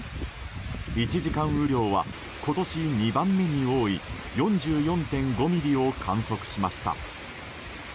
１時間雨量は今年２番目に多い４４．５ミリを観測しました。